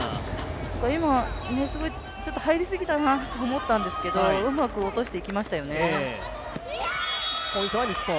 今、ちょっと入り過ぎたなと思ったんですけどうまく落としていきましたよね。